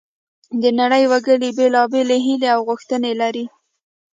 د نړۍ وګړي بیلابیلې هیلې او غوښتنې لري